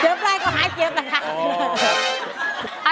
เจ็บอะไรก็ขาเจ็บค่ะ